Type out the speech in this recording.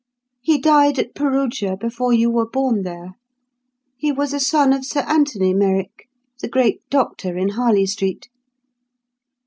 "He died at Perugia before you were born there. He was a son of Sir Anthony Merrick, the great doctor in Harley Street."